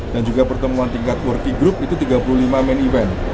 dan juga pertemuan tingkat working group itu tiga puluh lima main event